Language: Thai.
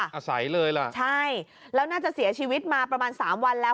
อาศัยเลยล่ะใช่แล้วน่าจะเสียชีวิตมาประมาณสามวันแล้ว